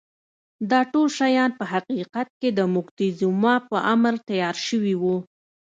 دا ټول شیان په حقیقت کې د موکتیزوما په امر تیار شوي وو.